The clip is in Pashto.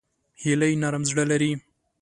هیلۍ نرم زړه لري